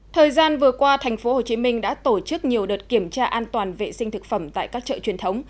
thời gian vừa qua tp hcm đã tổ chức nhiều đợt kiểm tra an toàn vệ sinh thực phẩm tại các chợ truyền thống